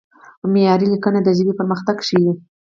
معیاري لیکنه د ژبې پرمختګ ښيي.